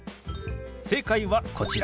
正解はこちら。